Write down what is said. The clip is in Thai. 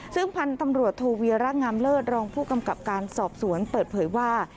ซึ่งพันธุ์ตำรวจโทเวียระงามเลิศรองผู้กำกับการสอบสวนเปิดเผยว่า